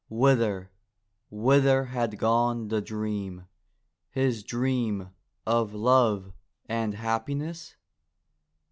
Whither, whither had gone the dream — his dream of love and happiness?